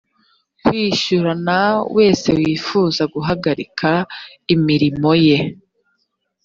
kwishyurana wese wifuza guhagarika imirimo ye